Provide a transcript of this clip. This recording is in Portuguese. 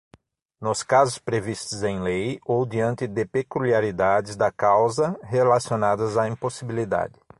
Nos casos previstos em lei ou diante de peculiaridades da causa relacionadas à impossibilidade